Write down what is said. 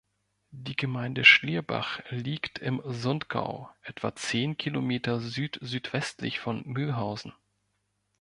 Die Gemeinde Schlierbach liegt im Sundgau, etwa zehn Kilometer südsüdwestlich von Mülhausen.